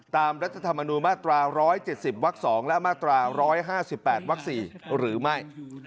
รัฐธรรมนูญมาตรา๑๗๐วัก๒และมาตรา๑๕๘วัก๔หรือไม่